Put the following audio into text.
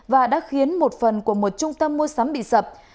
và đã khiến một phần của một trung tâm mua sắm bị sập